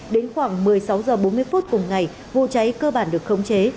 đến khoảng một mươi sáu h bốn mươi phút cùng ngày vụ cháy cơ bản được khống chế